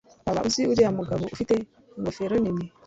Waba uzi uriya mugabo ufite ingofero nini